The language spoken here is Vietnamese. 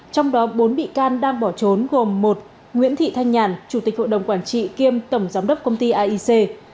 trong đó bốn bị can đang bỏ trốn gồm một nguyễn thị thanh nhàn chủ tịch hội đồng quản trị kiêm tổng giám đốc công ty aic